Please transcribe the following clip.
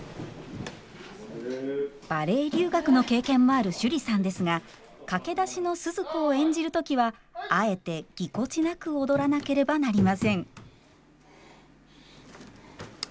バレエ留学の経験もある趣里さんですが駆け出しのスズ子を演じる時はあえてぎこちなく踊らなければなりません。